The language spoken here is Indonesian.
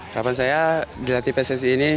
kerapan saya dilatih psse ini